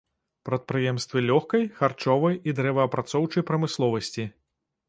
Прадпрыемствы лёгкай, харчовай і дрэваапрацоўчай прамысловасці.